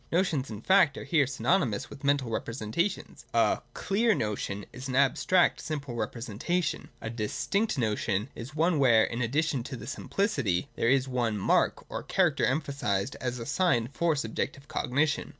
Notions, in fact, are here synonymous with mental representations ; a clear notion is an abstract simple representation : a distinct notion is one where, in addition to the simplicity, there is one ' mark ' or character emphasised as a sign for subjective cognition.